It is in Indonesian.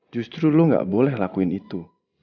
justru lo gak boleh lakuin itu